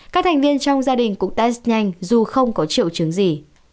các thành viên trong gia đình cũng test nhanh dù không có triệu chứng gì